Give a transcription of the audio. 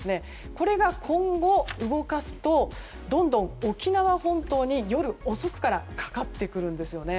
これが今後、動かすとどんどん沖縄本島に夜遅くからかかってくるんですね。